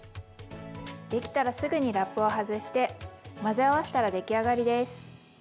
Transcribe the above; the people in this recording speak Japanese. できたらすぐにラップを外して混ぜ合わしたら出来上がりです。